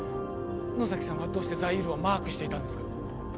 野崎さんはどうしてザイールをマークしていたんですか？